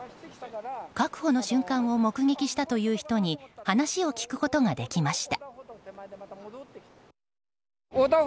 確保の瞬間を目撃したという人に話を聞くことができました。